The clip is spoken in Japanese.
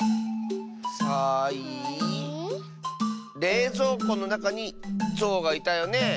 「れいぞうこ」のなかに「ぞう」がいたよねえ。